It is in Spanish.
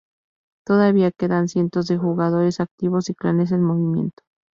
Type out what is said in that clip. Todavía quedan cientos de jugadores activos y clanes en movimiento.